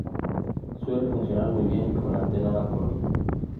Suele funcionar muy bien la Antena Marconi.